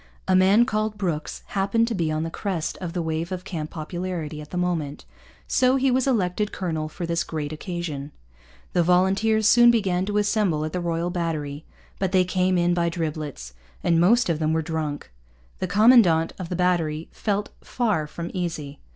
A man called Brooks happened to be on the crest of the wave of camp popularity at the moment; so he was elected colonel for this great occasion. The volunteers soon began to assemble at the Royal Battery. But they came in by driblets, and most of them were drunk. The commandant of the battery felt far from easy.